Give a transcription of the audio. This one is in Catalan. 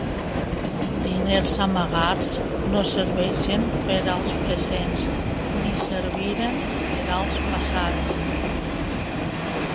Diners amagats no serveixen per als presents ni serviren per als passats.